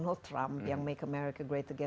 donald trump yang membuat amerika besar lagi